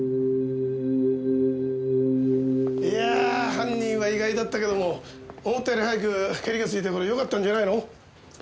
いや犯人は意外だったけども思ったより早くケリがついたからよかったんじゃないの？